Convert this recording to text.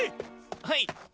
はい！